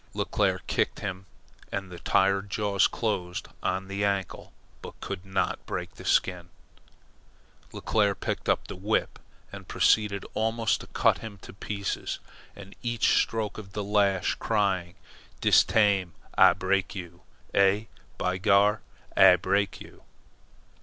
Leclere kicked him, and the tired jaws closed on the ankle, but could not break the skin. Then Leclere picked up the whip and proceeded almost to cut him to pieces, at each stroke of the lash crying: "Dis taim Ah break you! Eh? By GAR! Ah break you!"